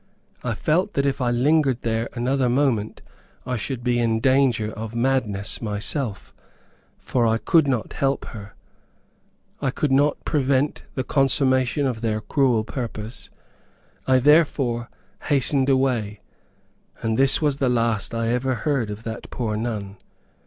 I felt that if I lingered there another moment I should be in danger of madness myself; for I could not help her. I could not prevent the consummation of their cruel purpose; I therefore hastened away, and this was the last I ever heard of that poor nun.